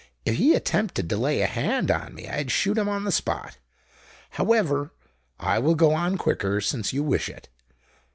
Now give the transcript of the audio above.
"If he attempted to lay a hand on me, I'd shoot him on the spot. However, I will go on quicker—since you wish it.